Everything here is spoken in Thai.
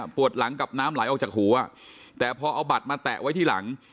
ปวดหลังกับน้ำไหลออกจากหูแต่พอเอาบัตรมาแตะไว้ที่หลัง